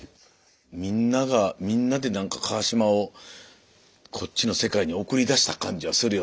みんながみんなでなんか川島をこっちの世界に送り出した感じはするよね。